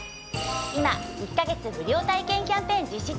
今１カ月無料体験キャンペーン実施中！